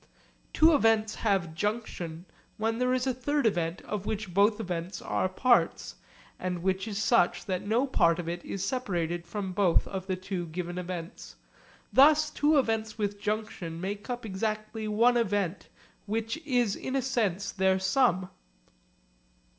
Two events have junction when there is a third event of which both events are parts, and which is such that no part of it is separated from both of the two given events. Thus two events with junction make up exactly one event which is in a sense their sum.